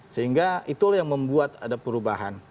sehingga itulah yang membuat ada perubahan